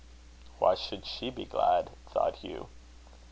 "Why should she be glad?" thought Hugh.